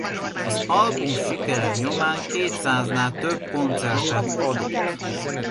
Az album sikere nyomán kétszáznál több koncertet adott.